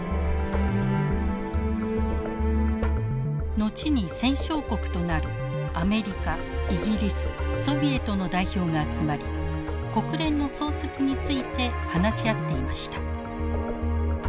後に戦勝国となるアメリカイギリスソビエトの代表が集まり国連の創設について話し合っていました。